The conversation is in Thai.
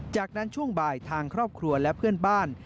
จากนั้นช่วงบ่ายทางครอบครัวและเพื่อนบ้าน